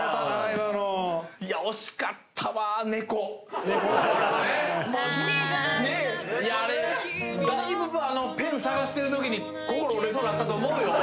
今のあれだいぶペン探してる時に心折れそうになったと思うよ